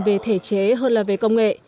về thể chế hơn là về công nghệ